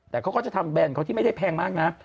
แต่เขาก็จะทำแบรนด์เขาที่ไม่ได้แพงมากนะ